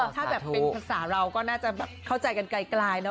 ถ้าแบบเป็นภาษาเราก็น่าจะเข้าใจกันไกลเนอ